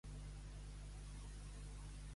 Treure de guerxesa.